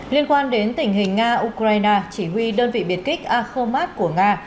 liên quan đến tình hình nga ukraine chỉ huy đơn vị biệt kích ahomat của nga